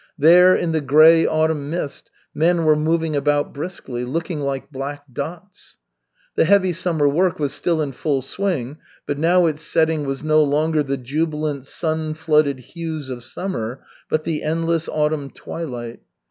There, in the gray autumn mist, men were moving about briskly, looking like black dots. The heavy summer work was still in full swing, but now its setting was no longer the jubilant, sun flooded hues of summer, but the endless autumn twilight.